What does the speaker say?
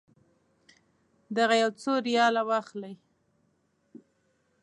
دغه یو څو ریاله واخلئ.